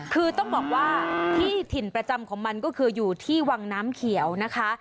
คือต้องบอกว่าที่ถิ่นประจำของมันก็คืออยู่ที่วังน้ำเขียวนะคะ